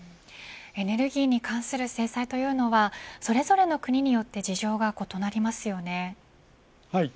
エネルギーに関する制裁というのはそれぞれの国によって事情が異なりますよね。